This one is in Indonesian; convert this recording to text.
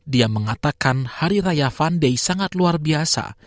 dia mengatakan hari raya funday sangat luar biasa